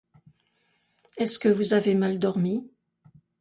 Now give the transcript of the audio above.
Est-ce que vous avez mal dormi?